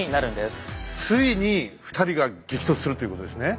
ついに２人が激突するということですね。